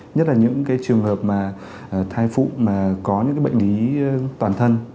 nhất là những cái trường hợp mà thai phụ mà có những cái bệnh lý toàn thân